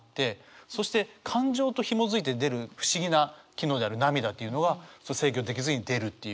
そして感情とひもづいて出る不思議な機能である涙っていうのは制御できずに出るっていう。